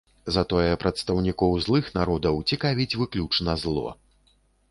Затое прадстаўнікоў злых народаў цікавіць выключна зло.